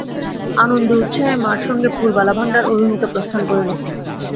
আনন্দে উৎসাহে মার সঙ্গে পুরবালা ভাণ্ডার অভিমুখে প্রস্থান করিল।